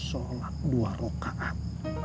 sholat dua rokaat